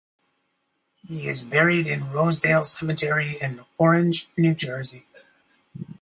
He is buried in Rosedale Cemetery in Orange, New Jersey.